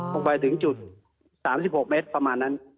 ลงไปถึงจุด๓๖เมตรประมาณนั้น